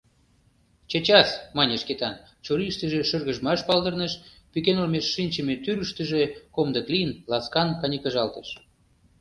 Чечас... — мане Шкетан, чурийыштыже шыргыжмаш палдырныш, пӱкен олмеш шинчыме тӱрыштыжӧ комдык лийын, ласкан канькыжалтыш.